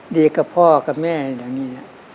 ดีกับพ่อกับแม่อย่างนี้